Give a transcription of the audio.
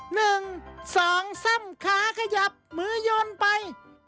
หนึ่งสองซ่ำขาขยับมือโยนไป